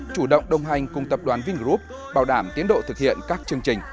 chủ động đồng hành cùng tập đoàn vingroup bảo đảm tiến độ thực hiện các chương trình